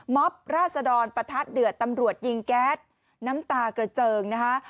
ราศดรประทัดเดือดตำรวจยิงแก๊สน้ำตากระเจิงนะคะ